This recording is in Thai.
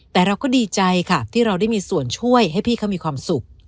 แต่เราก็ดีใจค่ะที่เราได้มีส่วนช่วยให้พี่เขามีความสุข